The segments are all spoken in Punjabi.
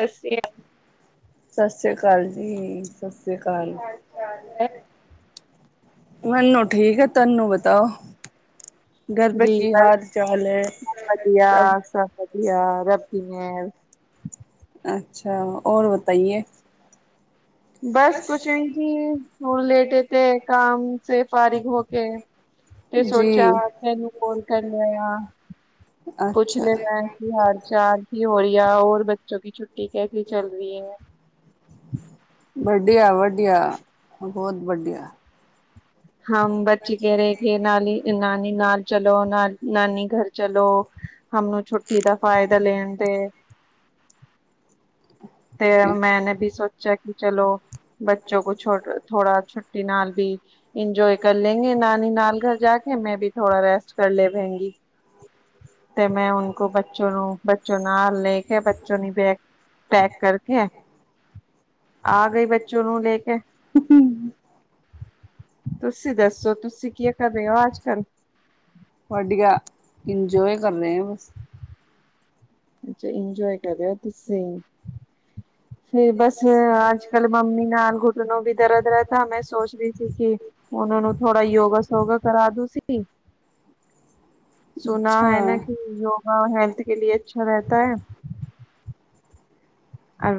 ਸਤਿ ਸਸ੍ਰੀ ਸ਼੍ਰੀ ਅ ਸਤਿ ਸ੍ਰੀ ਅਕਾਲ ਜੀ, ਸਤਿ ਸ੍ਰੀ ਅਕਾਲ। ਮੈਨੂੰ ਠੀਕ ਹੈ, ਤੈਨੂੰ ਬਤਾਓ। ਘਰ ਪੇ ਜੀ ਕੀ ਹਾਲ ਬਸ ਚਾਲ ਹੈ ਸਬ ਵਧੀਆ ਸਭ ਸਬ ਵਧੀਆ ਰੱਬ ਦੀ ਮੇਹਰ ਅੱਛਾ, ਔਰ ਬਤਾਈਏ। ਬਸ ਕੁਛ ਨੀ ਜੀ, ਹੁਣ ਲੇਟੇ ਤੇ ਕਮ ਚ ਫਾਰੀਕ ਹੋ ਕੇ। ਤੇ ਸੋਚਿਆ ਜੀ ਤੈਨੂੰ ਕੋਨ ਕਰ ਲਿਆ। ਕੁਛ ਅੱਛਾ ਨੀ ਕੀ ਹਾਲ ਚਾਲ ਕੀ ਹੋ ਰਿਹਾ ਹੋਰ ਬੱਚੋਂ ਕੀ ਛੁੱਟੀ ਕੈਸੀ ਚੱਲ ਰਹੀ ਹੈ? ਵਧੀਆ-ਵਧੀਆ, ਬਹੁਤ ਵਧੀਆ। ਹਾਂ, ਬੱਚੇ ਕਹਿ ਰਹੇ ਕੇ ਨਾਨੀ ਨਾਨੀ ਨਾਲ ਚਲੋ, ਨ ਨਾਨੀ ਘਰ ਚਲੋ। ਹਮ ਛੁੱਟੀ ਦਾ ਫਾਇਦਾ ਲੈਣ ਤੇ ਤੇ ਮੈਂਨੇ ਵੀ ਸੋਚਿਆ ਕਿ ਚਲੋ। ਬੱਚੋ ਕੋ ਛੋਟ ਥੋੜਾ ਛੁੱਟੀ ਨਾਲ ਵੀ ਇੰਜੋਏ ਕਰ ਲੈਂਗੇ ਨਾਨੀ ਨਾਲ ਘਰ ਜਾਕੇ, ਮੈਂ ਵੀ ਥੋੜਾ ਰੈਸਟ ਕਰ ਲੇਵੇਗੀ। ਤੇ ਮੈਂ ਉਨ ਕੋ ਬੱਚੋ ਨੂੰ ਬੱਚੋ ਨਾਲ ਲੈ ਕੇ ਬੱਚੋਂ ਨੀ ਬੈ ਕਰਕੇ ਆ ਗਈ ਬੱਚੋ ਨੂੰ ਲੈ ਕੇ। ਤੁਸੀਂ ਦੱਸੋ ਤੁਸੀਂ ਕੇ ਕਰ ਰਹੇ ਹੋ ਅੱਜ-ਕੱਲ? ਵਧੀਆ, ਇੰਜੋਏ ਕਰ ਰਹੇ ਹੈ ਬਸ। ਅੱਛਾ ਇੰਜੋਏ ਕਰ ਰਏਉ ਤੁਸੀਂ ਫੇਰ ਬਸ ਆਜ। ਕੇ ਮੰਮੀ ਨਾਲ ਘੁਟਣੋ ਵੀ ਦਰਦ ਰਹਿਤਾ ਮੈਂ ਸੋਚ ਰਹੀ ਸੀ ਕਿ ਉਹਨਾਂ ਨੂੰ ਥੋੜਾ ਯੋਗਾ-ਸੋਗਾ ਕਰਾ ਦੂੰ ਸੀ। ਸੁਨਾ ਅੱਛਾ ਹੈ ਨਾ ਕਿ ਯੋਗਾ ਹੈਲਥ ਕੇ ਲਿਏ ਅੱਛਾ ਰੇਹਤਾ ਹੈ।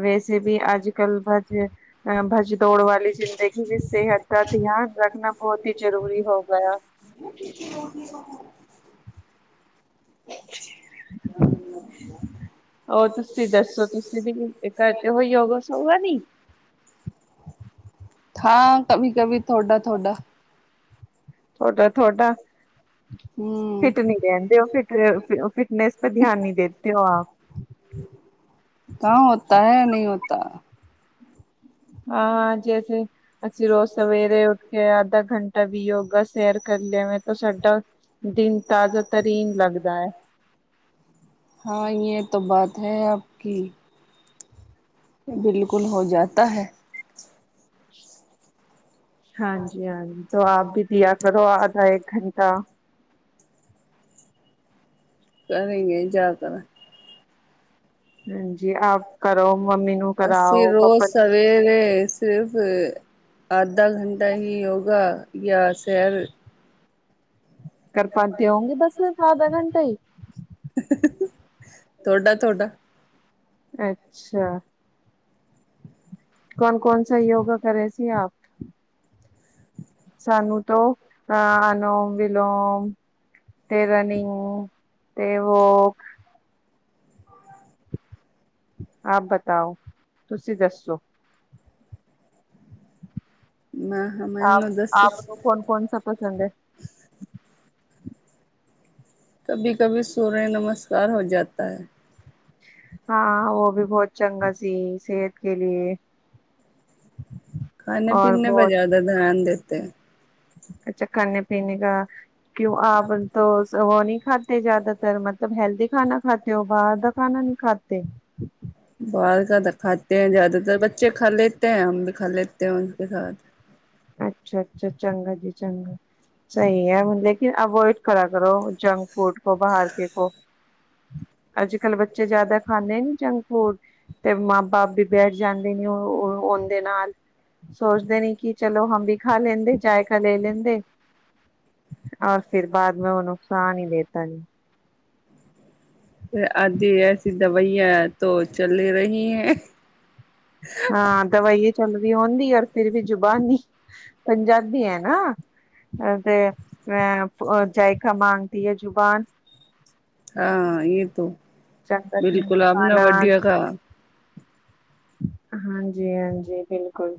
ਵੈਸੇ ਵੀ ਅੱਜ-ਕੱਲ ਭਜ ਅ ਭਜ ਦੌੜ ਵਾਲੀ ਜ਼ਿੰਦਗੀ ਵੀ ਸਿਹਤ ਦਾ ਧਿਆਨ ਰੱਖਣਾ ਬਹੁਤ ਹੀ ਜ਼ਰੂਰੀ ਹੋ ਗਿਆ। ਮੈਂ ਰ [unintelligible] ਉਹ ਤੁਸੀਂ ਦੱਸ ਦੱਸੋ ਤੁਸੀਂ ਵੀ ਕਰ ਤੇ ਹੋ ਯੋਗ-ਸੋਗਾ ਨੀ। ਹਾਂ, ਕਵੀ-ਕਵੀ, ਤੋਡਾ-ਤੋਡਾ। ਤੋਡਾ-ਤੋਡਾ। ਫਿਟ ਨੀ ਰਹਿੰਦੇ ਉ ਫਿਟ-ਫਿਟਨੈਸ ਪਰ ਧਿਆਨ ਨਹੀਂ ਦੇਦੇ ਹੋ ਆਪ। ਕਾਮ ਹੋਤਾ ਹੈ ਨਹੀਂ ਹੋਤਾ। ਹਾਂ, ਜੈਸੇ ਅਸੀਂ ਰੋਜ਼ ਸਵੇਰੇ ਉੱਠ ਕੇ ਅੱਧਾ ਘੰਟ ਕਭੀ ਯੋਗਾ ਸੈਰ ਕਰ ਲੇਵੇ ਤਾਂ ਸਾਡਾ ਦਿਨ ਤਾਜ਼ਾ-ਤਰੀਨ ਲੱਗਦਾ ਏ। ਹਾਂ ਜੇਹ ਤੋ ਬਾਤ ਹੈ ਆਪ ਕੀ। ਬਿਲਕੁਲ ਹੋ ਜਾਤਾ ਹੈ। ਹਾਂਜੀ, ਹਾਂਜੀ ਤੋ ਆਪ ਵੀ ਦੀਆ ਕਰੋ, ਆਧਾ ਏਕ ਗੰਟਾ ਸ ਗ ਜਾਦਾ ਤਨ [inaudible] ਹਾਂਜੀ, ਆਪ ਕਰੋ ਮੰਮੀ ਅਸੀਂ ਰੋਜ਼ ਸਵੇਰੇ ਸਿਰਫ ਆਧਾ ਗੰਟਾ ਹੀ ਯੋਗਾ ਯਾ ਸ਼ੈਰ ਕਰ ਪਾਂਤੇ ਹੋੋਂਗੇ ਬਸ ਫ ਆਧਾ ਘੰਟਾ ਈ ਹੀ ਹੀ ਹੀ ਤੋਹਡਾ -ਤੋਹਡਾ ਅੱਛਾ ਕੌਣ- ਕੌਣਸਾ ਯੋਗਾ ਕਰ ਰਹੇ ਸੀ ਆਪ ਸਾਨੂੰ ਤੋਂ ਅਹ, ਅਨੋਮ, ਵਿਲੋਮ ਤੇ ਰਨਿੰਗ ਤੇ ਵੋਕ ਆਪ ਬਤਾਓ, ਤੁਸੀਂ ਦੱਸੋ। ਮ ਹ ਮੈਂਨੂੰ ਮ ਦੱਸ ਕੋਣਸਾ ਪਸੰਦ ਐ। ਕਭੀ ਕਭੀ ਸੂਰਯ ਨਮਸਕਾਰ ਹੋ ਜਾਤਾ ਐ। ਹਾਂ ਉਹ ਵੀ ਬਹੁਤ ਚੰਗਾ ਸੀ, ਸਿਹਤ ਕੇ ਲਿਏ ਹਮ ਖਾਣੇ- ਪੀੇਨੇ ਪੇ ਜ਼ਿਆਦਾ ਦਿਆਨ ਦੇਤੇ ਏ ਅੱਛਾ ਖਾਨੇ-ਪੀਣੇ ਕਾ, ਕਿਉਂ ਆਪ ਤੋਸ ਉਹ ਨਹੀਂ ਖਾਤੇ ਜ਼ਿਆਦਾਤਰ ਮਤਲਬ ਹੈਲਦੀ ਖਾਨਾ ਖਾਤੇ ਹੋ, ਬਾਹਰ ਦਾ ਖਾਨਾ ਨਹੀਂ ਖਾਤੇ। [unintelligible] ਬਾਹਰ ਕਾ ਤਾਂ ਖਾਤੇ ਐ ਜ਼ਿਆਦਾਤਰ, ਬੱਚੇ ਖਾ ਲੇਤੇ ਐ ਹਮ ਵੀ ਖਾ ਲੇਤੇ ਉਠਕੇ ਸਾਥ। ਅੱਛਾ, ਅੱਛਾ, ਚੰਗਾ ਜੀ ਚੰਗਾ। ਸਹੀ ਐ ਲੇਕਿਨ ਅਵੋਇਡ ਕਰਾ ਕਰੋ ਜੰਕ-ਫੂਡ ਬੋਬਾਰ ਕੇ ਕੋ ਅੱਜਕੱਲ ਬੱਚੇ ਜਿਆਦਾ ਖਾਂਦੇ ਨੀ ਜੰਕ- ਫੂਡ ਤੇ ਮਾਂ ਬਾਪ ਵੀ ਬੈਠ ਜਾਂਦੇ ਨੇ ਉਹ ਉਣ ਦੇ ਨਾਲ ਸੋਚਦੇ ਨੇ ਕਿ ਚਲੋ ਹਮ ਬੀ ਖਾ ਲੈਂਦੇ ਚਇ ਖ ਲੈ ਲੈਂਦੇ, ਔਰ ਫਿਰ ਬਾਅਦ ਮੈਂ ਉਹਨ ਸਾਹ ਨੀ ਦੇਤਾ ਨੇ ਆਧੀ ਐਸੀ ਦਵਾਈਆਂ ਤੋਂ ਚੱਲ ਰਹੀ ਹੈ। ਹਾਂ ਦਵਾਈਏ ਚੱਲਦੀ ਉਂਦੀ ਐ ਔਰ ਫਿਰ ਵੀ ਜੁਬਾਨ ਨੀ ਪੰਜਾਬੀ ਐ ਨਾ ਅ ਤੇ ਅਹ ਜਾਇਕਾ ਮਾਗਦੀ ਏ ਜ਼ੁਬਾਨ ਆ ਜੇਹ ਤੋ ਬਿਲਕੁਲ ਆਪ ਨੇ ਵੱਡੀਆਂ ਕਹਾ। ਹਾਂਜੀ, ਹਾਂਜੀ ਬਿਲਕੁਲ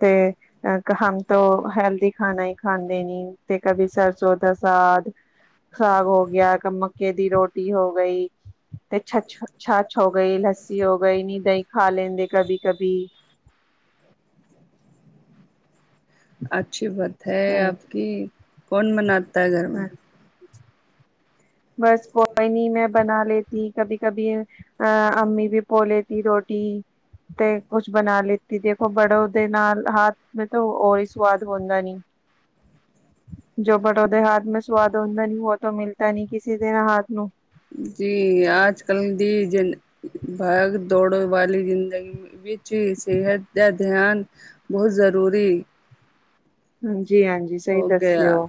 ਤੇ ਅ ਕ ਹਮ ਤੋ ਹੈਲਦੀ ਖਾਣਾ ਈ ਖਾਂਦੇ ਨੀ ਤੇ ਕਭੀ ਸਰਸੋਂ ਦਾ ਸਾਦ ਸਾਗ ਹੋ ਗਿਆ, ਕਮੱਕੇ ਦੀ ਰੋਟੀ ਹੋ ਗਈ ਤੇ ਛੱਛ ਛੱਛ ਹੋ ਗਈ, ਲੱਸੀ ਹੋ ਗਈ ਨੀਂ ਦਹੀਂ ਖਾ ਲੈਂਦੇ ਕਭੀ ਕਭੀ। ਅੱਛੀ ਬਾਤ ਹੈ ਆਪ ਹਾਂ ਕੀ, ਕੌਣ ਮਨਾਤਾ ਹੈ ਗਰ ਮੈਂ ਬਸ ਪ ਨੀ ਮੈਂ ਬਣਾ ਲੇਤੀ, ਕਭ- ਕਭੀ ਅ ਅਮੀ ਵੀ ਪੋ ਲੇਤੀ। ਦੀ ਰੋਟੀ ਤੇ ਕੁਛ ਬਣਾ ਲ ਦੀ ਦੇਖੋ ਬੜੋ ਦੇ ਨਾਲ ਹਾਥ ਮ ਤੋ ਉਹੀ ਸਵਾਦ ਹੁੰਦਾ ਨੀ। ਜੋ ਬੜੋ ਦੇ ਹਾਥ ਮੇ ਸਵਾਦ ਹੁੰਦਾ ਨੀ, ਉਹ ਤੋ ਮਿਲਤਾ ਨੀ ਕਿਸੇ ਦੇ ਹਾਥ ਨੂੰ ਜੀ ਆਜ-ਕਲ ਦੀ ਜ ਭਾਗ- ਦੌੜੇ ਵਾਲੀ ਜ਼ਿੰਦਗੀ ਵਿਚ ਜੀ ਸਿਹਤ ਦਾ ਧਿਆਨ ਬਹੁਤ ਜ਼ਰੂਰੀ ਹਾਂਜੀ, ਹਾਂਜੀ ਸਹੀ ਦੱਸਿਓ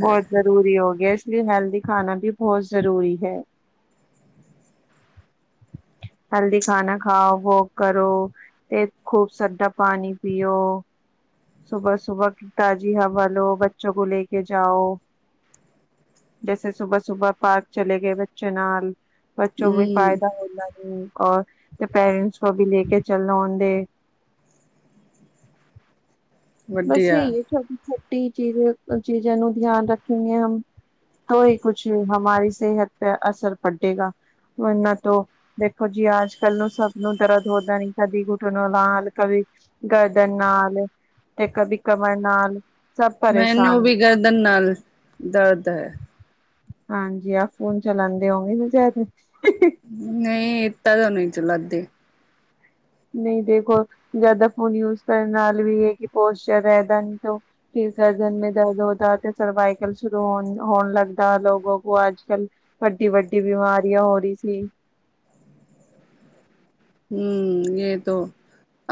ਬਹੁਤ ਜ਼ਰੂਰੀ ਹੋ ਗਿਆ ਇਸ ਲਈ ਹੈਲਦੀ ਖਾਣਾ ਵੀ ਬਹੁਤ ਜ਼ਰੂਰੀ ਹੈ। ਹਲਦੀ ਖਾਨਾ ਖਾਓ ਵੋਕ ਕਰੋ ਤੇ ਖੂਬ ਸਾਡਾ ਪਾਣੀ ਪੀਓ ਸੁਬਹ, ਸੁਬਹ ਕੀ ਤਾਜ਼ੀ ਹਵ ਲੋ। ਬੱਚੋ ਕੋ ਲੈ ਕੇ ਜਾਓ। ਜੈਸੇ ਸੁਬਾਹ, ਸੁਬਾਹ ਪਾਰਕ ਚਲੇ ਗਏ ਬੱਚੇ ਨਾਲ ਬੱਚੋਂ ਵੀ, ਵੀ ਫਾਇਦਾ ਹੋਦਾ ਓਰ ਤੇ ਪੇਰੈਂਟਸ ਕੋ ਵੀ ਲੈ ਕੇ ਚਲ ਆਦੇ ਬਸ ਇਹੀ ਹੈ ਛੋ ਛੋਟੀ ਚ ਚੀਜ਼ਾਂ ਨੂੰ ਧਿਆਨ ਰੱਖਣਗੇ ਹਮ ਤੋਂ ਹੀ ਕੁਛ ਵੀ ਹਮਾਰੀ ਸਿਹਤ ਪੇ ਅਸਰ ਪੜੇਗਾ ਵਰਨਾ ਤੋਂ ਦੇਖੋ ਜੀ ਅੱਜ, ਕੱਲ ਨੂੰ ਸਭ ਨੂੰ ਦਰਦ ਹੋਦਾ ਨੀ ਕਦੀ ਘੁਟਨ ਲਾਲ ਕਵੀ ਗਰਦਨ ਨਾਲ ਤੇ ਕਦੀ ਕਮਰ ਨਾਲ ਸਭ ਮੈਨੂੰ ਪਰੇਸ਼ਾਨ ਵੀ ਗਰਦਨ ਨਾਲ ਦਰਦ ਹੈ ਹਾਂਜੀ ਆ ਫੋਨ ਚਲਾਉਦੇ ਹੋਗੇ ਨਹੀਂ ਇੱਤਾ ਤਾ ਨਹੀਂ ਚ ਲੱ ਦੇ ਨਹੀਂ ਦੇਖੋ ਜਿਆਦਾ ਫੋਨ ਯੂਜ ਕਰਨ ਨਾਲ ਵੀ ਪੋਸ਼ਚਰ ਰਦਾ ਨਹੀਂ ਫਿਰ ਸਰਰਜਨ ਮੈਂ ਦਰਦ ਹੋਦਾ ਤੇ [unintelligible] ਸਰਵਾਈਕਲ ਸ਼ੁਰੂ ਹੋ ਹੋਣ ਲੱਗਦਾ ਲੋਗੌ ਕੋ ਆਜ, ਕਲ ਵੱਡੀ ਵੱਡੀ ਬਿਮਾਰੀਆਂ ਹੋ ਰਹੀ ਸੀ ਹਮ ਏ ਤੋਂ